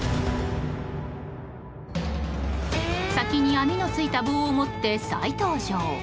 先に網のついた棒を持って再登場。